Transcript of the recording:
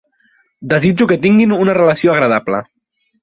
Desitjo que tinguin una relació agradable.